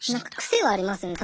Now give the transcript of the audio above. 癖はありますね。